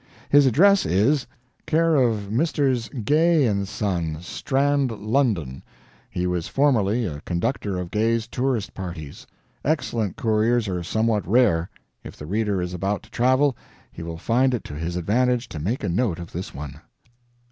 His address is, care of Messrs. Gay & Son, Strand, London; he was formerly a conductor of Gay's tourist parties. Excellent couriers are somewhat rare; if the reader is about to travel, he will find it to his advantage to make a note of this one.